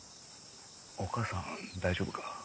お母さん大丈夫か？